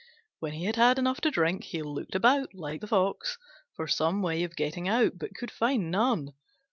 When he had had enough to drink, he looked about, like the Fox, for some way of getting out, but could find none.